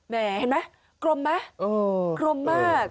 เห็นไหมกลมไหมกลมมาก